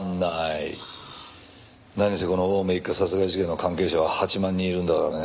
何せこの青梅一家殺害事件の関係者は８万人いるんだからね。